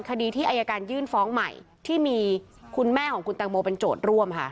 คดีที่อายการยื่นฟ้องใหม่ที่มีคุณแม่ของคุณแตงโมเป็นโจทย์ร่วมค่ะ